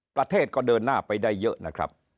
ประเทศก็เดินหน้าไปได้เยอะนะครับ